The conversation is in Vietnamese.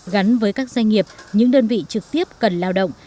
gắn với các doanh nghiệp những đơn vị trực tiếp cần lao động